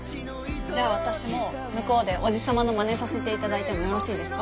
じゃあ私も向こうでおじ様のまねさせて頂いてもよろしいですか？